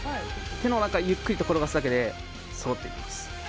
手の中ゆっくりと転がすだけでそろっていきます。